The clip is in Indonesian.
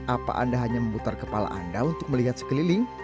apa anda hanya memutar kepala anda untuk melihat sekeliling